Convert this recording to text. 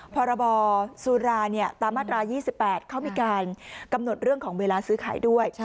พรบสุราตามมาตรา๒๘เขามีการกำหนดเรื่องของเวลาซื้อขายด้วย